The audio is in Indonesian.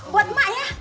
buat emak ya